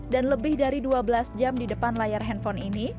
dan lebih dari dua belas jam di depan layar handphone ini